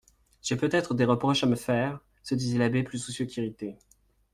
J'ai peut-être des reproches à me faire, se disait l'abbé plus soucieux qu'irrité.